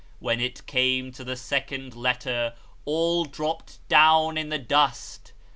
When it came to the second letter, all dropped down in the dust.